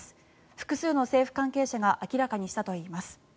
複数の政府関係者が明らかにしたといいます。